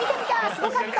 「すごかった」。